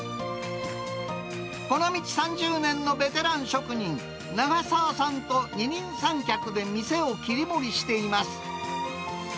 この道３０年のベテラン職人、永澤さんと二人三脚で店を切り盛りしています。